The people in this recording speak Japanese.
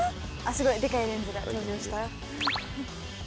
すごいデカいレンズが登場した。